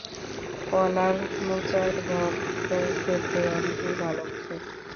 কলার মোচার ঘণ্ট খেতে অনেকেই ভালোবাসেন।